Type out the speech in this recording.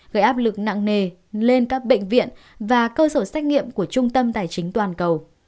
gây áp lực nặng nề lên các bệnh viện và cơ sở xét nghiệm của trung tâm tài chính toàn cầu